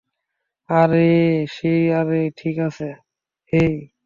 আরে, হেই, আরে, ঠিক আছে।